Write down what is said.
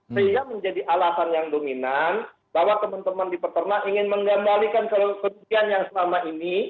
sehingga menjadi alasan yang dominan bahwa teman teman di peternak ingin mengembalikan kerugian yang selama ini